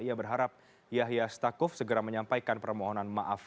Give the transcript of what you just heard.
ia berharap yahya stakuf segera menyampaikan permohonan maaf